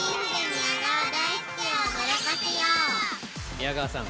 宮川さん！